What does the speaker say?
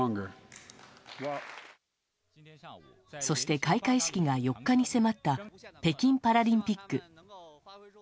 そして、開会式が４日に迫った北京パラリンピック。